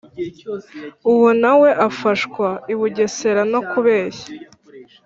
uwo na we afashwa i bugesera no kubeshya